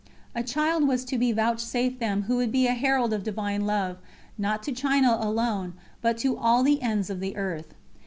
A child was to be vouchsafed them who would be a herald of Divine love, not to China alone, but to all the ends of the earth.